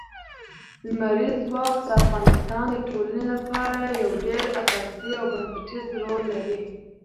لمریز ځواک د افغانستان د ټولنې لپاره یو ډېر اساسي او بنسټيز رول لري.